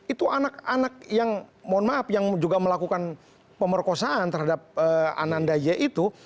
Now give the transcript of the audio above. itu anak anak yang mohon maaf yang juga melakukan pemerkosaan terhadap ananda y itu